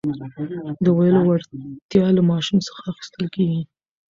د ویلو وړتیا له ماشوم څخه اخیستل کېږي.